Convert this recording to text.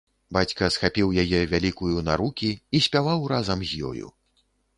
Бацька схапіў яе, вялікую, на рукі і спяваў разам з ёю.